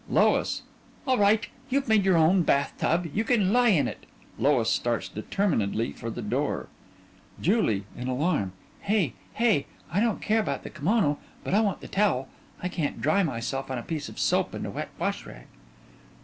LOIS: All right. You've made your own bath tub; you can lie in it. (LOIS starts determinedly for the door.) JULIE: (In alarm) Hey! Hey! I don't care about the k'mono, but I want the towel. I can't dry myself on a piece of soap and a wet wash rag.